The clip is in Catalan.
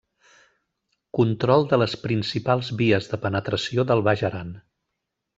Control de les principals vies de penetració del Baix Aran.